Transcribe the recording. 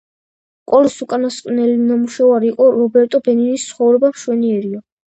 კოლის უკანასკნელი ნამუშევარი იყო რობერტო ბენინის „ცხოვრება მშვენიერია“.